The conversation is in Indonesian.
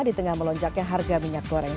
di tengah melonjaknya harga minyak goreng